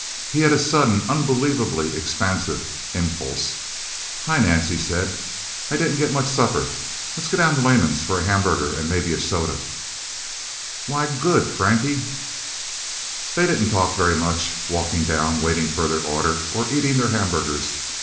He had a sudden, unbelievably expansive impulse. "Hi, Nance," he said. "I didn't get much supper. Let's go down to Lehman's for a hamburger and maybe a soda." "Why good Frankie!" They didn't talk very much, walking down, waiting for their orders, or eating their hamburgers.